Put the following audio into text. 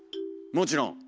もちろん。